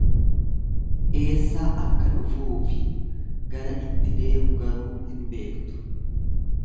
Eessaa akka dhufuu fi gara itti deemu garuu hin beektu.